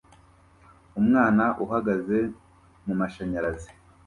Umwana uhagaze mumashanyarazi